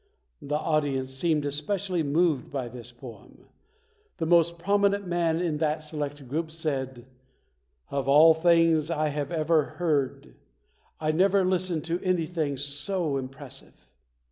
The audience seemed especially moved by this poem. The most prominent man in that select group said, "Of all things I ever heard, I never listened to anything so impressive".